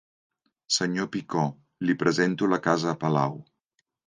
Senyor Picó, li presento la Casa Palau.